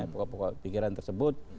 pokok pokok pikiran tersebut